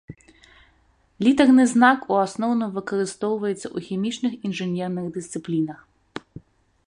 Літарны знак у асноўным выкарыстоўваецца ў хімічных інжынерных дысцыплінах.